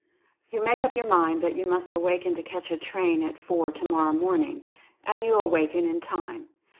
You make up your mind that you must awaken to catch a train at four tomor row morning — and you awaken in time.